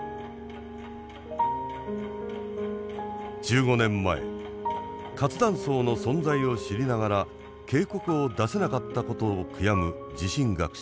１５年前活断層の存在を知りながら警告を出せなかったことを悔やむ地震学者。